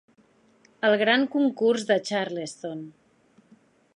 El gran concurs de Charleston.